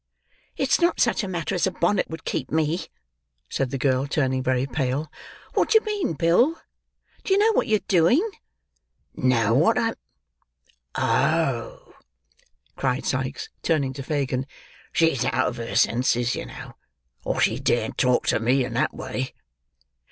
"It's not such a matter as a bonnet would keep me," said the girl turning very pale. "What do you mean, Bill? Do you know what you're doing?" "Know what I'm—Oh!" cried Sikes, turning to Fagin, "she's out of her senses, you know, or she daren't talk to me in that way."